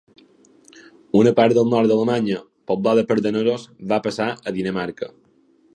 Una part del nord d’Alemanya poblada per danesos va passar a Dinamarca.